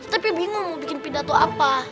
tapi bingung mau bikin pindah tuh apa